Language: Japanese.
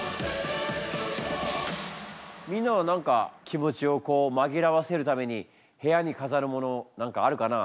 みんなは何か気持ちをまぎらわせるために部屋にかざるもの何かあるかな？